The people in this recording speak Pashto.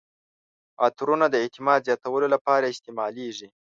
عطرونه د اعتماد زیاتولو لپاره استعمالیږي.